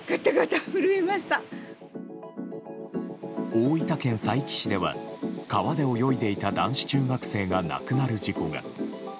大分県佐伯市では川を泳いでいた男子中学生が亡くなる事故が。